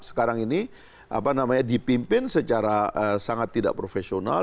sekarang ini dipimpin secara sangat tidak profesional